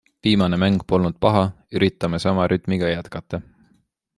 Viimane mäng polnud paha, üritame sama rütmiga jätkata.